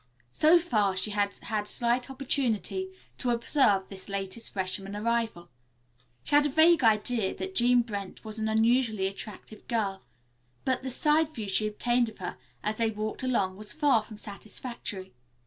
So far she had had slight opportunity to observe this latest freshman arrival. She had a vague idea that Jean Brent was an unusually attractive girl, but the side view she obtained of her, as they walked along, was far from satisfactory.